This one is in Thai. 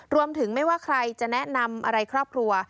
รวมถึงไม่ว่าใครจะแนะนำอะไรครอบครัว